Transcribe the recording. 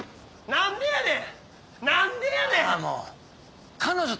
何でやねん！